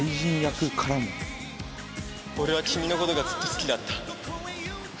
俺は君の事がずっと好きだった。